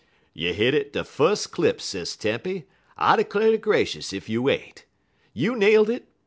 "You hit it de fus' clip, Sis Tempy, I 'clar' ter gracious ef you ain't. You nailed it!